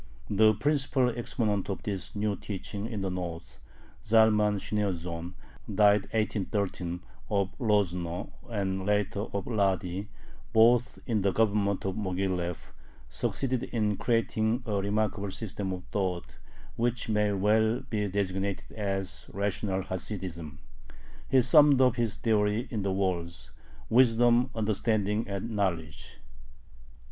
The principal exponent of this new teaching in the North, Zalman Shneorsohn (died 1813), of Lozno, and later of Ladi, both in the Government of Moghilev, succeeded in creating a remarkable system of thought, which may well be designated as "rational Hasidism." He summed up his theory in the words: "Wisdom, Understanding, and Knowledge."